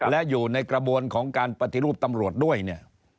และอยู่ในกระบวนของการปฏิรูปตำรวจด้วยเนี่ย